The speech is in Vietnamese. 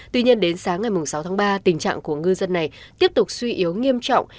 tuy nhiên đến sáng ngày sáu tháng ba tình trạng của ngư dân này tiếp tục suy yếu nghiêm trọng